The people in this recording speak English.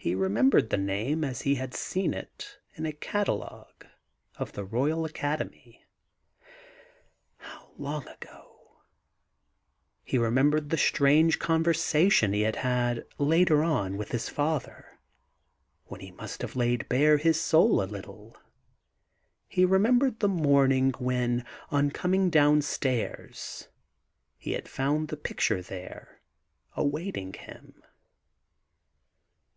He remembered the name as he had seen it in a catalogue of the Royal Academy — how long ago ? He remembered the strange conversation he had had later on with his father, when he must have laid bare his soul a little; he remembered the morning when, on coming downstairs, he had found the picture there, awaiting him.